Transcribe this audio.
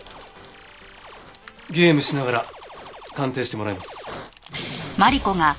ゲームしながら鑑定してもらいます。